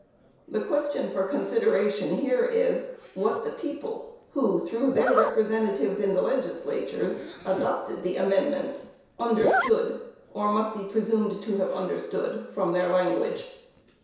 The question for consideration here is, what the people, who, through their representatives in the legislatures, adopted the amendments, understood, or must be presumed to have understood, from their language.